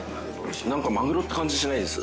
なんかマグロって感じしないです。